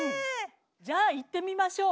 じゃあいってみましょう。